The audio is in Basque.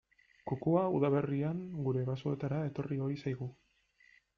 Kukua udaberrian gure basoetara etorri ohi zaigu.